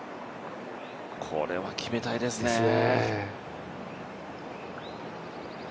これは決めたいですね。